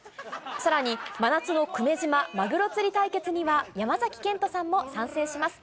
さらに、真夏の久米島マグロ釣り対決には、山崎賢人さんも参戦します。